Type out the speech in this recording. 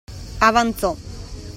Avanzò.